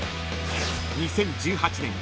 ［２０１８年